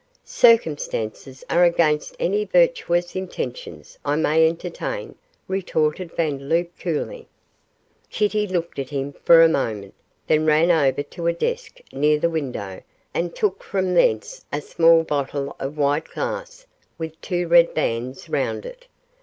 'Circumstances are against any virtuous intentions I may entertain,' retorted Vandeloup, coolly. Kitty looked at him for a moment, then ran over to a desk near the window, and took from thence a small bottle of white glass with two red bands round it.